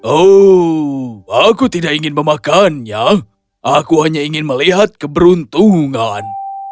oh aku tidak ingin memakannya aku hanya ingin melihat keberuntungan